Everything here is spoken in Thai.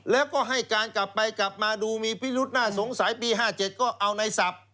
แล้วก็ให้การกลับไปกลับมาดูมีพิรุษน่าสงสัยปี๕๗ก็เอาในศัพท์